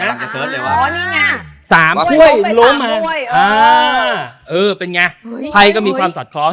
น่ะอ๋อนี่ไงสามพ่วยล้มมาเออเออเป็นไงภัยก็มีความสอดคล้อง